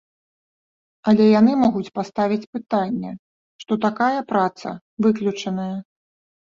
Але яны могуць паставіць пытанне, што такая праца выключаная.